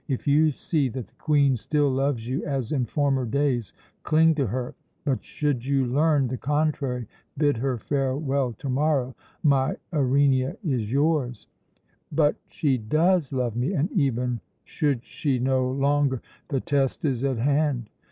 If you see that the Queen still loves you as in former days, cling to her; but should you learn the contrary, bid her farewell to morrow. My Irenia is yours " "But she does love me, and even should she no longer " "The test is at hand.